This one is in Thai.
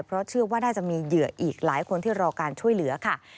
เพราะเชื่อว่าน่าจะมีเหยื่ออีกหลายคนที่รอการช่วยเหลือค่ะ